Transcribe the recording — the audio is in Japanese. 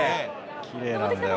きれいなんだよ